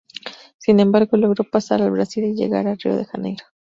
Sin embargo, logró pasar al Brasil y llegar a Río de Janeiro.